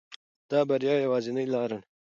دا د بریا یوازینۍ لاره ده.